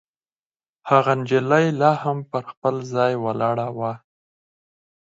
هغه نجلۍ لا هم پر خپل ځای ولاړه وه.